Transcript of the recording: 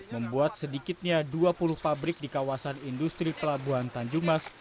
membuat sedikitnya dua puluh pabrik di kawasan industri pelabuhan tanjung mas